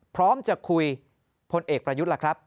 พร้อมจะคุยพลเอกประยุทธ์ล่ะครับ